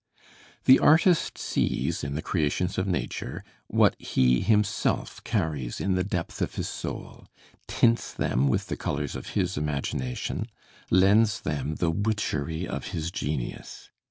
The artist sees in the creations of nature what he himself carries in the depth of his soul, tints them with the colors of his imagination, lends them the witchery of his genius.